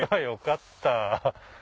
よかった。